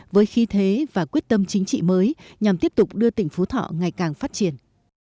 với khí thế và quyết tâm chính trị mới nhằm tiếp tục đưa tỉnh phú thọ ngày càng phát triển